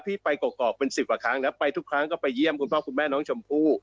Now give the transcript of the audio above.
ไปกรอกเป็นสิบกว่าครั้งแล้วไปทุกครั้งก็ไปเยี่ยมคุณพ่อคุณแม่น้องชมพู่